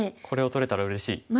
これを取れたらうれしい。